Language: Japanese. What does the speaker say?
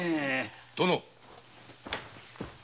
・殿。